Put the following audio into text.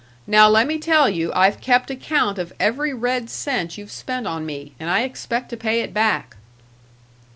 Now let me tell you I've kept account of every red cent you've spent on me, and I expect to pay it back."